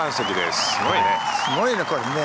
すごいね。